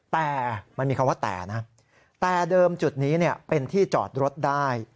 แต่มันมีคำว่าแต่นะแต่เดิมจุดนี้เป็นที่จอดรถได้